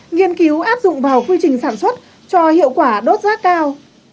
nghiên cứu áp dụng vào quy trình sản xuất cho hiệu quả đốt rác cao